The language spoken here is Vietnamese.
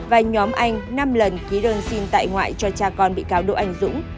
và nhóm anh năm lần ký đơn xin tại ngoại cho cha con bị cáo đỗ anh dũng